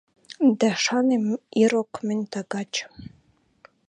Дӓ шанем ирок мӹнь тагачы: